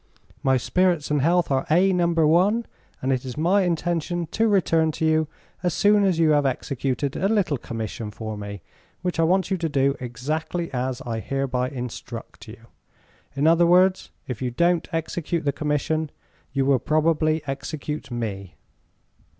My spirits and health are A No. 1 and it is my intention to return to you as soon as you have executed a little commission for me, which I want you to do exactly as I hereby instruct you. In other words, if you don't execute the commission you will probably execute me.